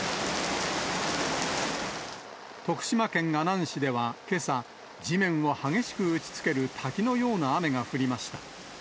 徳島県阿南市ではけさ、地面を激しく打ちつける滝のような雨が降りました。